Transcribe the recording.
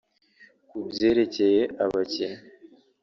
Ku byerekeye abakinnyi